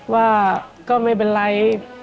ว่าก็ไม่เป็นไร